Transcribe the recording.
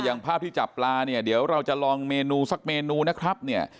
ภาพที่จับปลาเนี่ยเดี๋ยวเราจะลองเมนูสักเมนูนะครับเนี่ย